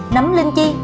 nấm linh chi